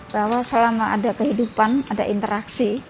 bahwa selama ada kehidupan ada interaksi